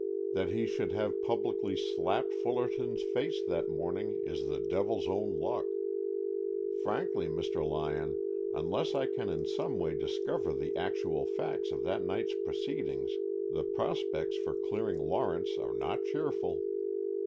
That he should have publicly slapped Fullerton's face that morning is the devil's own luck. Frankly, Mr. Lyon, unless I can in some way discover the actual facts of that night's proceedings, the prospects for clearing Lawrence are not cheerful.